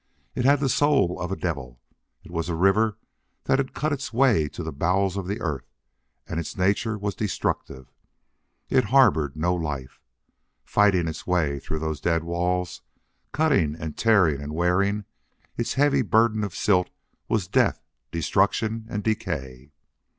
It had the soul of a devil. It was a river that had cut its way to the bowels of the earth, and its nature was destructive. It harbored no life. Fighting its way through those dead walls, cutting and tearing and wearing, its heavy burden of silt was death, destruction, and decay.